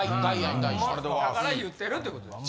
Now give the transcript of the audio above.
だから言うてるってことです。